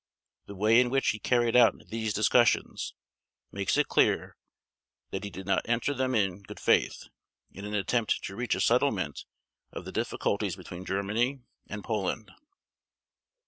The way in which he carried out these discussions makes it clear that he did not enter them in good faith in an attempt to reach a settlement of the difficulties between Germany and Poland.